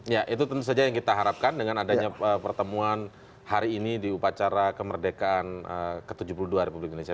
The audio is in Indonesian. ya itu tentu saja yang kita harapkan dengan adanya pertemuan hari ini di upacara kemerdekaan ke tujuh puluh dua republik indonesia